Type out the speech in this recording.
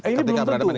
ini belum tentu